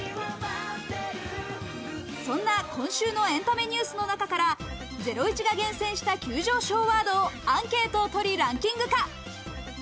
そんな今週のエンタメニュースの中から『ゼロイチ』が厳選した急上昇ワードをアンケートを取りランキング化。